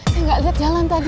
saya nggak lihat jalan tadi